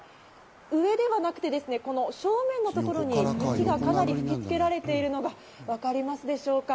上ではなくて正面のところから雪がかなり吹き付けられているのが分かりますでしょうか？